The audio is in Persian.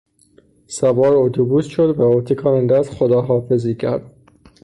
سوار اتوبوس شد و با تکان دست خداحافظی کرد.